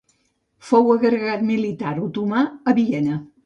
Fou agregat militar otomà a Viena.